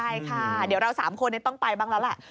ใช่ค่ะเดี๋ยวเรา๓คนต้องไปบ้างแล้วแหละ